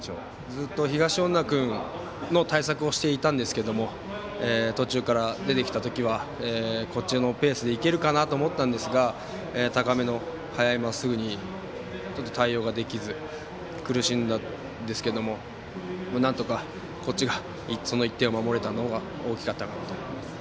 ずっと東恩納君の対策をしていたんですけど途中から出てきた時はこっちのペースで行けるかなと思ったんですが高めの速いまっすぐに対応ができず苦しんだんですけどもなんとかこっちが１点を守れたのが大きかったかなと思います。